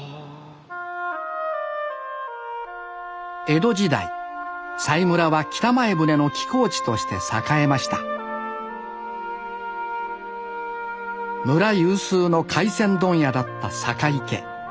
江戸時代佐井村は北前船の寄港地として栄えました村有数の回船問屋だった坂井家。